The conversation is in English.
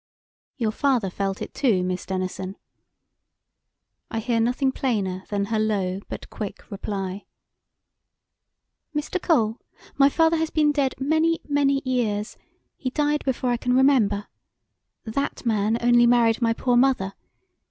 "Your father felt it, too, Miss Denison." I hear nothing plainer than her low but quick reply: "Mr. Cole, my father has been dead many; many years; he died before I can remember. That man only married my poor mother.